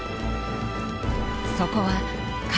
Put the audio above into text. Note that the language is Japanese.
そこは数